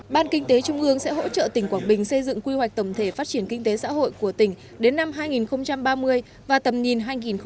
ban kinh tế trung ương sẽ hỗ trợ tỉnh quảng bình xây dựng quy hoạch tổng thể phát triển kinh tế xã hội của tỉnh đến năm hai nghìn ba mươi và tầm nhìn hai nghìn bốn mươi năm